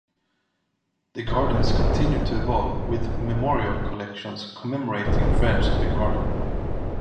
The gardens continued to evolve with memorial collections commemorating friends of the Garden.